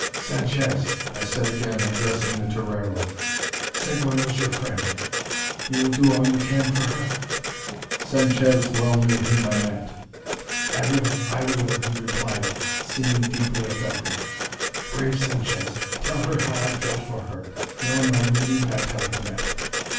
"Sanchez!" I said again, addressing the torero, "Seguin was your friend. You will do all you can for her?" Sanchez well knew whom I meant. "I will! I will!" he replied, seeming deeply affected. "Brave Sanchez! tell her how I felt for her. No, no, you need not tell her that."